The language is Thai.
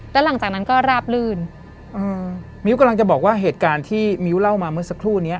แล้วหลังจากนั้นก็ราบลื่นอืมมิ้วกำลังจะบอกว่าเหตุการณ์ที่มิ้วเล่ามาเมื่อสักครู่เนี้ย